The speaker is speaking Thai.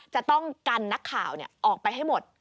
จะต้องกันนักข่าวออกไปให้หมด